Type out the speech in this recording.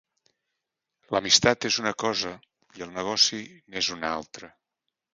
L'amistat és una cosa i el negoci n'és una altra.